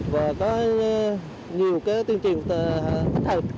và có nhiều tuyên truyền thích hợp